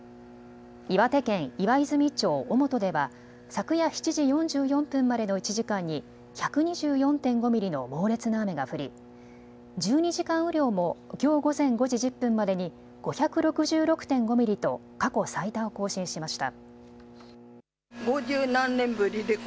岩手県岩泉町小本では昨夜７時４４分までの１時間に１２４．５ミリの猛烈な雨が降り１２時間雨量もきょう午前５時１０分までに５６６．５ミリと過去最多を更新しました。